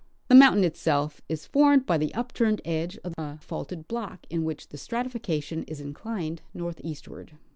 The mountain itself is formed by the upturned edge of a faulted block in which the stratification is inclined northeastward.